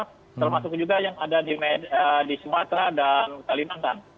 termasuk juga yang ada di sumatera dan kalimantan